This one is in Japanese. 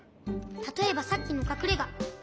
たとえばさっきのかくれが。